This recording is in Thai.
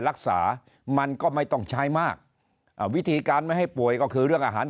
รักษามันก็ไม่ต้องใช้มากอ่าวิธีการไม่ให้ป่วยก็คือเรื่องอาหาร